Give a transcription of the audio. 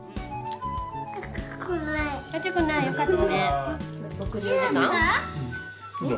あつくないよかったね。